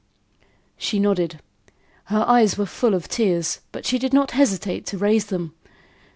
She nodded. Her eyes were full of tears, but she did not hesitate to raise them.